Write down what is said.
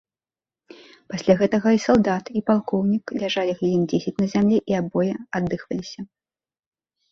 Пасля гэтага і салдат, і палкоўнік ляжалі хвілін дзесяць на зямлі і абое аддыхваліся.